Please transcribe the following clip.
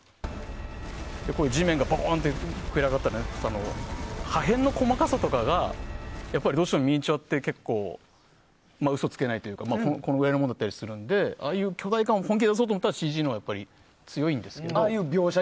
地面がボーンと膨れ上がったり破片の細かさとかがどうしてもミニチュアって嘘がつけないというかこのくらいのものだったりするので、ああいうふうに本気で出そうと思ったらＣＧのほうが強いんですけど。